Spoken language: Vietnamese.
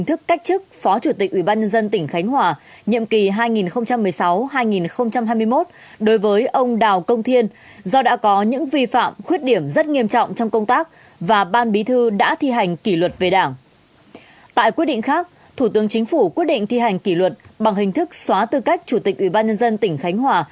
thủ tướng chính phủ quyết định thi hành kỷ luật bằng hình thức xóa tư cách chủ tịch ủy ban nhân dân tỉnh khánh hòa